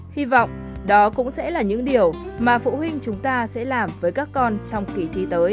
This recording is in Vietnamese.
hy vọng đó cũng sẽ là những điều mà phụ huynh chúng ta sẽ làm với các con trong kỳ thi tới